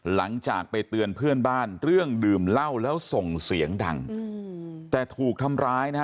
หลังจากไปเตือนเพื่อนบ้านเรื่องดื่มเหล้าแล้วส่งเสียงดังแต่ถูกทำร้ายนะฮะ